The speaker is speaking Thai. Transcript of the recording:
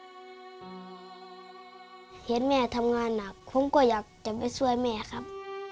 เห็นแม่ทำงานหนักผมก็อยากจะไปช่วยแม่ครับ